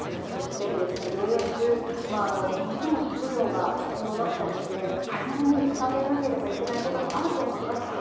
そして療養中、どうしても食料が必要だったりして買い物に出かけなければいけないこともあると思います。